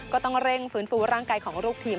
ก็ต้องเร่งฟื้นฟูร่างกายของลูกทีม